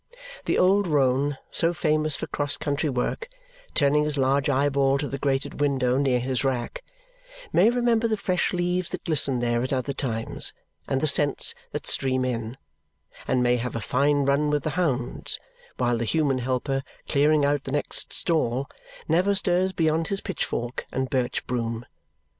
The old roan, so famous for cross country work, turning his large eyeball to the grated window near his rack, may remember the fresh leaves that glisten there at other times and the scents that stream in, and may have a fine run with the hounds, while the human helper, clearing out the next stall, never stirs beyond his pitchfork and birch broom.